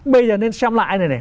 bây giờ nên xem lại này